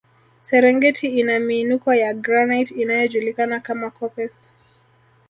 Serengeti ina miinuko ya granite inayojulikana kama koppes